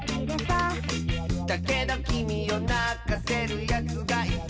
「だけどきみをなかせるやつがいたら」